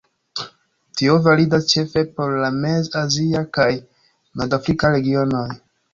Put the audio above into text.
Tio validas ĉefe por la mez-azia kaj nord-afrika regionoj.